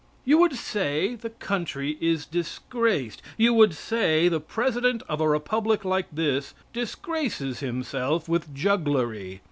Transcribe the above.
You would say the country is disgraced. You would say the president of a republic like this disgraces himself with jugglery.